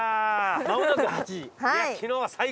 まもなく８時。